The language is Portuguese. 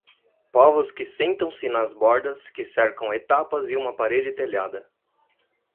Povos que sentam-se nas bordas que cercam etapas e uma parede telhada.